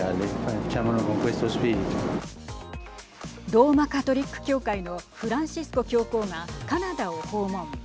ローマ・カトリック教会のフランシスコ教皇がカナダを訪問。